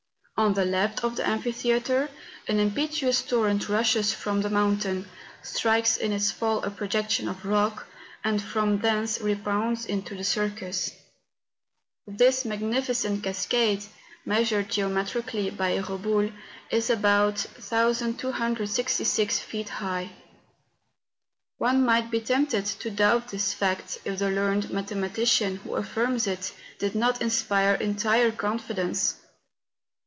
On the left of the amphi¬ theatre, an impetuous torrent rushes from the mountain, strikes in its fall a projection of rock, and from thence rebounds into the circus. This magnificent cascade, measured geometrically by Reboul, is about 1266 feet high. One might be tempted to doubt this fact, if the learned mathema¬ tician who affirms it did not inspire entire confid¬ ence.